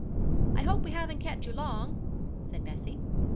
'I hope we haven't kept you long?' said Bessie.